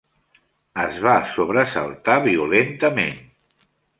Es va sobresaltar violentament.